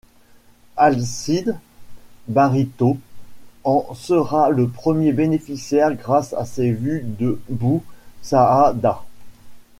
Alcide Bariteau en sera le premier bénéficiaire grâce à ses vues de Bou-Saâda.